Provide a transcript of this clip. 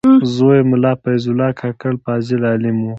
زوی یې ملا فیض الله کاکړ فاضل عالم و.